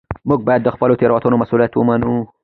موږ باید د خپلو تېروتنو مسوولیت ومنو